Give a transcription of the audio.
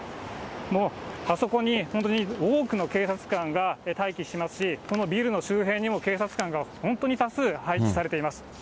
もうあそこに、本当に多くの警察官が待機していますし、このビルの周辺にも、警察官が本当に多数配置されています。